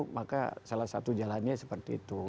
maka salah satu jalannya seperti itu